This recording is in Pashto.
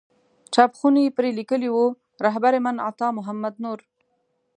چاپ خونې پرې لیکلي وو رهبر من عطا محمد نور.